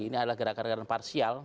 ini adalah gerakan gerakan parsial